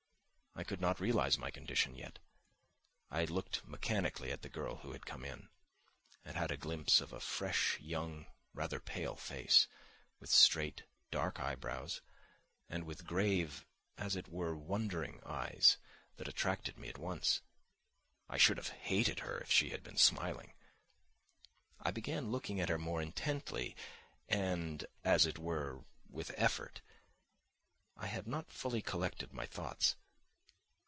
I could not realise my condition yet. I looked mechanically at the girl who had come in: and had a glimpse of a fresh, young, rather pale face, with straight, dark eyebrows, and with grave, as it were wondering, eyes that attracted me at once; I should have hated her if she had been smiling. I began looking at her more intently and, as it were, with effort. I had not fully collected my thoughts.